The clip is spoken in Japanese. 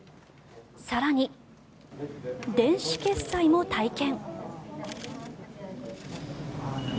更に、電子決済も体験。